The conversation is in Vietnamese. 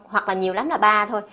hoặc là nhiều lắm là ba thôi